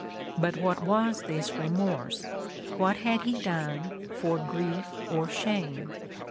But what was this remorse; what had he done for grief or shame?